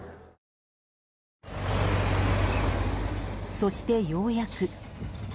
そしてようやく。